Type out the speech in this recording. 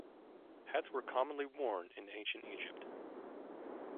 Hats were commonly worn in ancient Egypt.